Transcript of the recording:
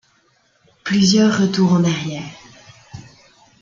Plusieurs retours en arrière.